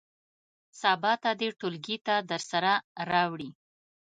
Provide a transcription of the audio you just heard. سبا ته دې ټولګي ته درسره راوړي.